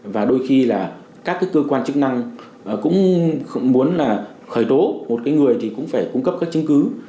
và đôi khi là các cơ quan chức năng cũng muốn là khởi tố một người thì cũng phải cung cấp các chứng cứ